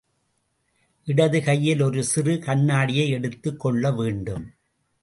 இடது கையில் ஒரு சிறு கண்ணாடியை எடுத்துக் கொள்ள வேண்டும்.